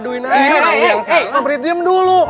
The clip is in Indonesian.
hei hei hei pemberitahuan dulu